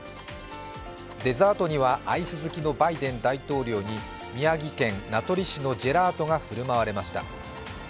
デザートには、アイス好きのバイデン大統領に宮城県名取市のジェラートが振る舞われました。